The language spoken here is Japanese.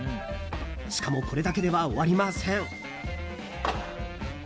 しかもこれだけでは終わりません。